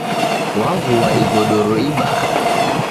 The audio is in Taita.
Waghua igodoro ibaha.